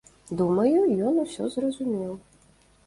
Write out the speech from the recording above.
Думаю, ён усё зразумеў.